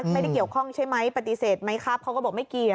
ไม่ได้เกี่ยวข้องใช่ไหมปฏิเสธไหมครับเขาก็บอกไม่เกี่ยว